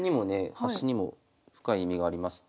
端にも深い意味がありまして。